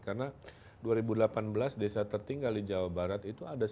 karena dua ribu delapan belas desa tertinggal di jawa barat itu ada seribu mbak